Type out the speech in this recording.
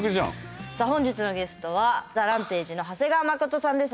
さあ本日のゲストはＴＨＥＲＡＭＰＡＧＥの長谷川慎さんです。